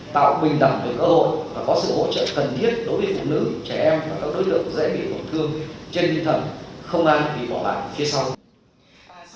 tạo bình đẳng về cơ hội và có sự hỗ trợ cần thiết đối với phụ nữ trẻ em và các đối tượng dễ bị bổn thương trên viên thầm không an vì bỏ bạc phía sau